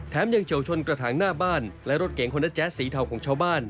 ยังเฉียวชนกระถางหน้าบ้านและรถเก่งคนละแจ๊สสีเทาของชาวบ้าน